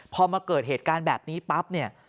พอมาเกิดเหตุการณ์แบบนี้ปั๊บเนี่ย